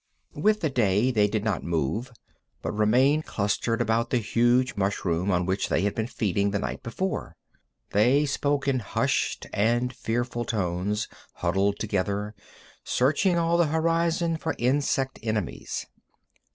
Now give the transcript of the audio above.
With the day, they did not move, but remained clustered about the huge mushroom on which they had been feeding the night before. They spoke in hushed and fearful tones, huddled together, searching all the horizon for insect enemies.